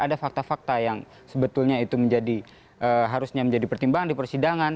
ada fakta fakta yang sebetulnya itu menjadi harusnya menjadi pertimbangan di persidangan